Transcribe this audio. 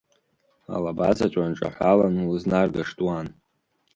Алабазаҵә уанҿаҳәалан улызнаргашт уан!